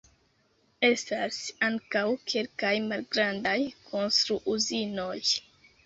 Estas ankaŭ kelkaj malgrandaj konstru-uzinoj.